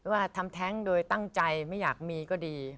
ว่าทำแท้งโดยตั้งใจไม่อยากมีก็ดี